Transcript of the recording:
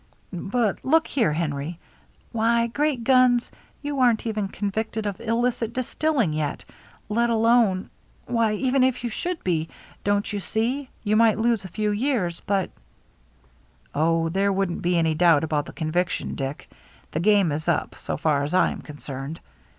" But, look here, Henry, — why, great guns ! You aren't even convicted of illicit distilling yet, let alone — why, even if you should be, don't you see, you might lose a few years, but —" "Oh, there wouldn't be any doubt about the conviction, Dick. The game is up, so far as I am concerned.